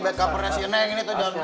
gak tau sih mak